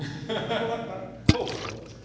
トークはどうなるんですか？